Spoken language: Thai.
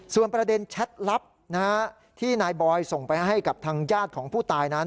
ส่วนประเด็นแชทลับที่นายบอยส่งไปให้กับทางญาติของผู้ตายนั้น